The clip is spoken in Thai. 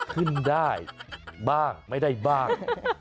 ขึ้นได้บ้างไม่ได้บ้าง